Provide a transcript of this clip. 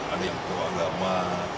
ada yang pro agama